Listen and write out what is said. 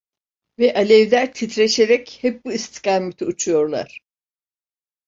Ve alevler titreşerek hep bu istikamete uçuyorlar.